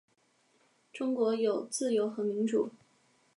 中国有自由和民主